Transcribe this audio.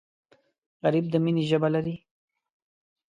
غریب د مینې ژبه لري